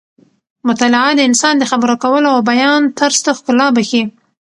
مطالعه د انسان د خبرو کولو او بیان طرز ته ښکلا بښي.